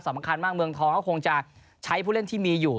สำคัญมากเมืองทองก็คงจะใช้ผู้เล่นที่มีอยู่